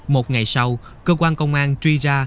một ngày sau cơ quan công an truy ra